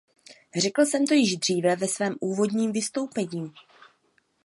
Řekl jsem to již dříve ve svém úvodním vystoupení.